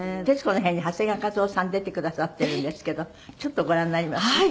『徹子の部屋』に長谷川一夫さん出てくださってるんですけどちょっとご覧になります？